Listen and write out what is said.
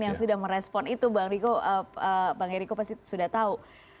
yang sudah merespon itu bang eriko pasti sudah tahu